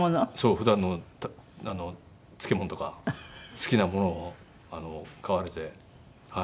普段の漬物とか好きなものを買われてはい。